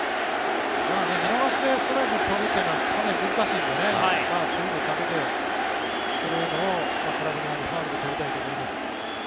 見逃しでストライク取るというのはかなり難しいのでスイングをかけてくるのを空振りかファウルで取りたいところです。